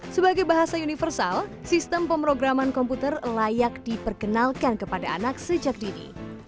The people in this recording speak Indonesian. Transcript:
sebagai bahasa universal sistem pemrograman komputer layak diperkenalkan kepada anak sejak dini